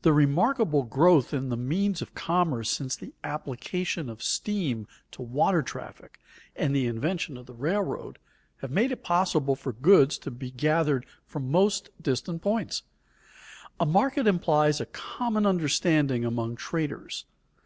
The remarkable growth in the means of commerce since the application of steam to water traffic, and the invention of the railroad, have made it possible for goods to be gathered from most distant points. A market implies a common understanding among traders.